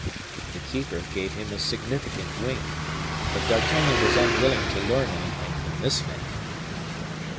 The keeper gave him a significant wink; but D'Artagnan was unwilling to learn anything from this man.